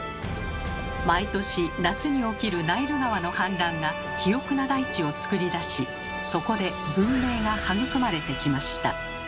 毎年夏に起きるナイル川の氾濫が肥沃な大地をつくり出しそこで文明が育まれてきました。